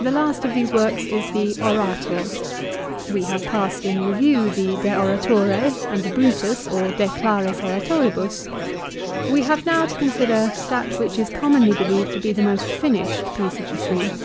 The last of these works is the " Orator." We have passed in review the " De Oratore." and the " Brutus " or " De Claris Oratoribus." We have now to consider that which is com monly believed to be the most finished piece of the three.